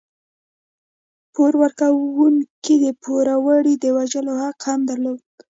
پور ورکوونکو د پوروړي د وژلو حق هم درلود.